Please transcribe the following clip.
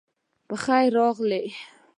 پخیر راغلی